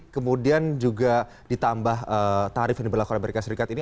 kemudian juga ditambah tarif yang diberlakukan amerika serikat ini